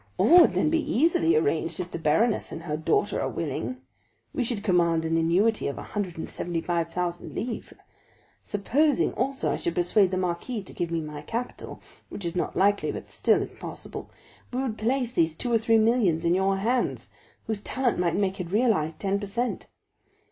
"All would then be easily arranged if the baroness and her daughter are willing. We should command an annuity of 175,000 livres. Supposing, also, I should persuade the marquis to give me my capital, which is not likely, but still is possible, we would place these two or three millions in your hands, whose talent might make it realize ten per cent."